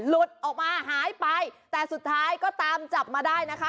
หลุดออกมาหายไปแต่สุดท้ายก็ตามจับมาได้นะคะ